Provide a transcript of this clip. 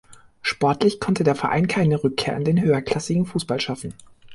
Sportlich konnte der Verein keine Rückkehr in den höherklassigen Fußball schaffen.